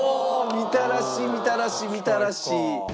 みたらしみたらしみたらし。